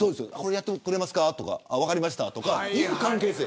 やってくれますかとか分かりましたとかいう関係で。